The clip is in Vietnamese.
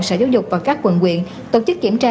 sở giáo dục và các quận quyện tổ chức kiểm tra